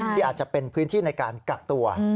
ที่อาจจะเป็นพื้นที่ในการกักตัว